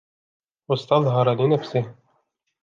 وَاسْتَظْهَرَ لِنَفْسِهِ